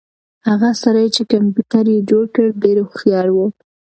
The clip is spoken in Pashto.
هغه سړی چې کمپیوټر یې جوړ کړ ډېر هوښیار و.